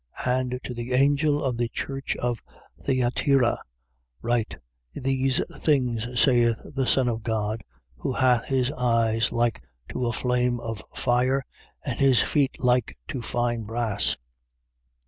2:18. And to the angel of the church of Thyatira write: These things saith the Son of God, who hath his eyes like to a flame of fire and his feet like to fine brass.